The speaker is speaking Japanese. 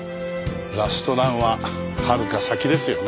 ラストランははるか先ですよね。